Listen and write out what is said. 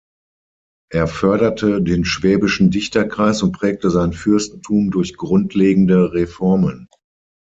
Er förderte den Schwäbischen Dichterkreis und prägte sein Fürstentum durch grundlegende Reformen.